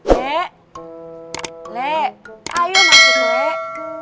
lek lek ayo masuk lek